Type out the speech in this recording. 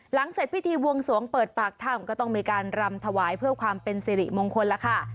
เสร็จพิธีบวงสวงเปิดปากถ้ำก็ต้องมีการรำถวายเพื่อความเป็นสิริมงคลแล้วค่ะ